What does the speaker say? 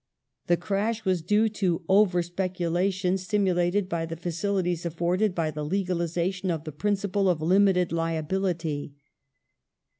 The crash was due to over speculation stimu lated by the facilities afforded by the legalization of the principle of limited liability.